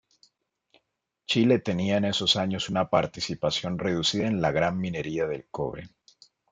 Chile tenía en esos años una participación reducida en la gran minería del cobre.